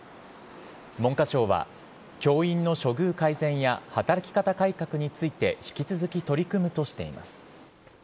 文科省は教員の処遇改善や働き方改革について引き続き取り組むとしています。